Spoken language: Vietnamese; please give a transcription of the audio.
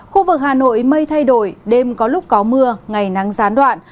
khu vực hà nội mây thay đổi đêm có lúc có mưa ngày nắng gián đoạn